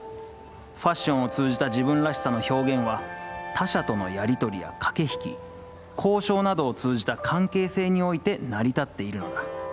ファッションを通じた自分らしさの表現は、他者とのやり取りや駆け引き、交渉などを通じた関係性において成り立っているのだ。